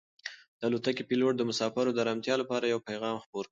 د الوتکې پېلوټ د مسافرو د ارامتیا لپاره یو پیغام خپور کړ.